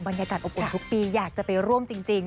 บรรยากาศอบอุ่นทุกปีอยากจะไปร่วมจริง